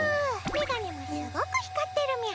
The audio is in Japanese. メガネもすごく光ってるみゃ。